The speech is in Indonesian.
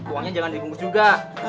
uangnya jangan dibungkus juga